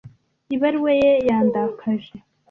Ibaruwa ye yandakaje